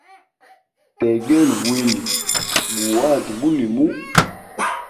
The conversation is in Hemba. Tegela bwili guhate bulimuhu.